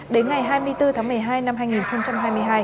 đến ngày hai mươi bốn tháng một mươi hai năm hai nghìn hai mươi hai